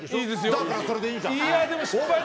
だからそれでいいじゃん！